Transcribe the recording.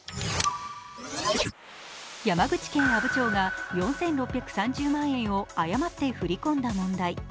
山口県阿武町が４６３０万円を誤って振り込んだ問題。